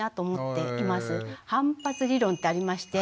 反発理論ってありまして。